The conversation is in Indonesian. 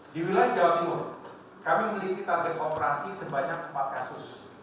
di wilayah jawa timur kami memiliki target operasi sebanyak empat kasus